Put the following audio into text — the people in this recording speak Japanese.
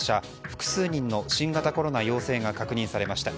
複数人の新型コロナ陽性が確認されました。